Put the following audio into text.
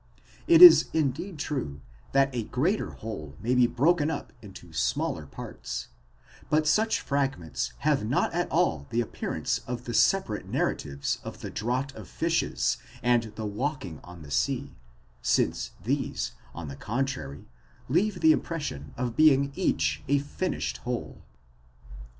It is indeed true, that a greater whole may be broken up into smaller parts; but such fragments have not at all the appearance of the separate narratives of the draught of fishes and the walking on the sea, since these, on the contrary, leave the impression of being each a finished whole.